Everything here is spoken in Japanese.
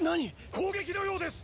「攻撃のようです